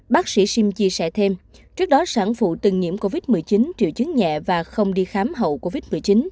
bác sĩ sim chia sẻ thêm trước đó sản phụ từng nhiễm covid một mươi chín triệu chứng nhẹ và không đi khám hậu covid một mươi chín